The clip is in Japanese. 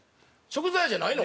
食材じゃないの？